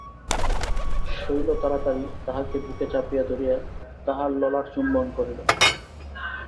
শৈল তাড়াতাড়ি তাহাকে বুকে চাপিয়া ধরিয়া তাহার ললাট চুম্বন করিল।